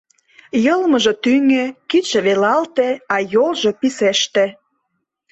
Йылмыже тӱҥӧ, кидше велалте, а йолжо писеште.